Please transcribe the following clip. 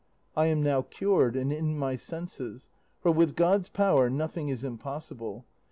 I am now cured and in my senses, for with God's power nothing is impossible.